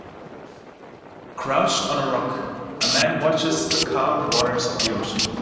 Crouched on a rock a man watches the calm waters of the ocean